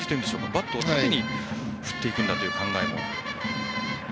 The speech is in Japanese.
バットを縦に振っていくという考えもあって。